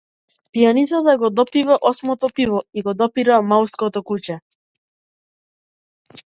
Пијаницата го допива осмото пиво и го допира маалското куче.